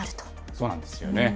そうなんですよね。